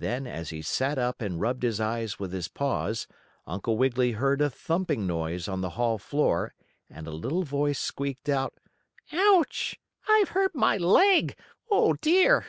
Then, as he sat up and rubbed his eyes with his paws, Uncle Wiggily heard a thumping noise on the hall floor and a little voice squeaked out: "Ouch! I've hurt my leg! Oh, dear!"